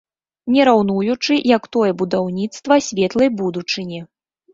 Не раўнуючы, як тое будаўніцтва светлай будучыні.